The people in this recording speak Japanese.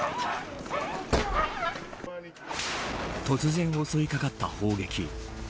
突然襲いかかった砲撃。